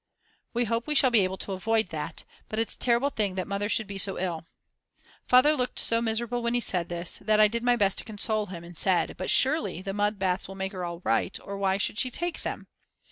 "We hope we shall be able to avoid that. But it's a terrible thing that Mother should be so ill." Father looked so miserable when he said this that I did my best to console him and said: "But surely the mud baths will make her all right, or why should she take them?"